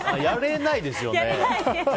やれないですよね。